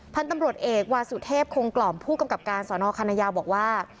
พันธุ์ตำรวจเอกวาสุเทพคงกล่อมผู้กำกับการสอนอคณะยาวบอกว่า